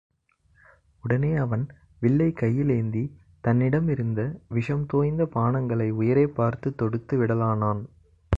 உடனே அவன், வில்லைக் கையிலேந்தி, தன்னிடமிருந்த விஷம் தோய்ந்த பாணங்களை உயரே பார்த்துத் தொடுத்து விடலானான்.